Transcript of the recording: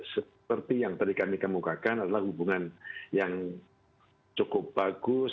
seperti yang tadi kami kemukakan adalah hubungan yang cukup bagus